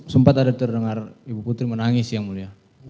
sempat ada terdengar ibu putri menangis yang mulia